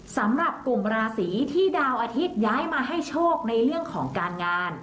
สำหรับกลุ่มราศีที่ดาวอาทิตย้ายมาให้โชคในเรื่องของการงาน